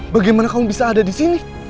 bagaimana kamu bisa ada disini